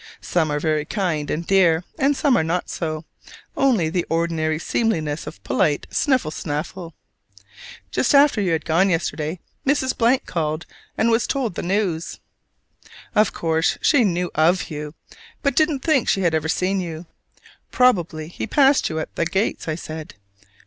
Some are very kind and dear; and some are not so only the ordinary seemliness of polite sniffle snaffle. Just after you had gone yesterday, Mrs. called and was told the news. Of course she knew of you: but didn't think she had ever seen you. "Probably he passed you at the gates," I said.